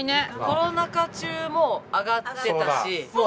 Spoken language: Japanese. コロナ禍中も上がってたし。